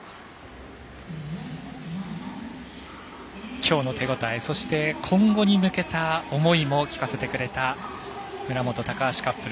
きょうの手応えそして今後に向けた思いも聞かせてくれた村元、高橋カップル。